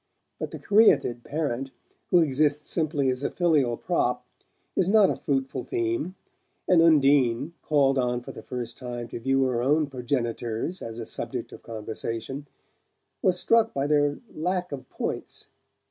But the caryatid parent, who exists simply as a filial prop, is not a fruitful theme, and Undine, called on for the first time to view her own progenitors as a subject of conversation, was struck by their lack of points.